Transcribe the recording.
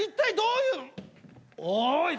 おい。